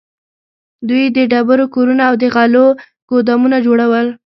دوی د ډبرو کورونه او د غلو ګودامونه جوړول.